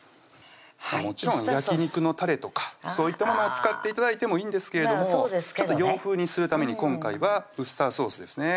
もちろん焼肉のたれとかそういったものを使って頂いてもいいんですけれどもちょっと洋風にするために今回はウスターソースですね